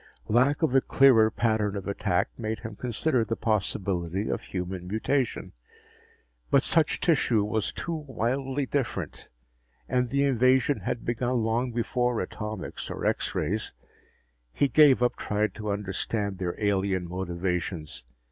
Lack of a clearer pattern of attack made him consider the possibility of human mutation, but such tissue was too wildly different, and the invasion had begun long before atomics or X rays. He gave up trying to understand their alien motivations.